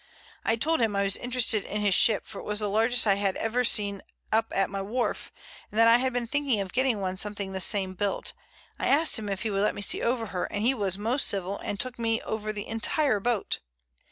I told him I was interested in his ship, for it was the largest I have ever seen up at my wharf, and that I had been thinking of getting one something the same built. I asked him if he would let me see over her, and he was most civil and took me over the entire boat.